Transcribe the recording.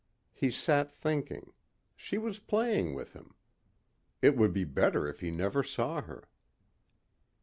He sat thinking; she was playing with him. It would be better if he never saw her.